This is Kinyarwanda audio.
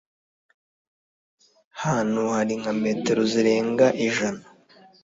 hantu hari nka metero zirenga ijana